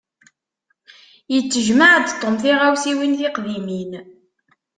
Yettejmaɛ-d Tom tiɣawsiwin tiqdimin.